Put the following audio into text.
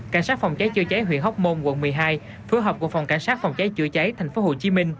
cảnh sát phòng cháy chữa cháy huyện hóc môn quận một mươi hai phối hợp cùng phòng cảnh sát phòng cháy chữa cháy tp hcm